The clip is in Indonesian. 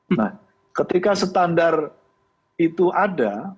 nah ketika standar itu ada